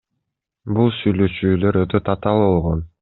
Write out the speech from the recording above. Бул сүйлөшүүлөр өтө татаал болгон.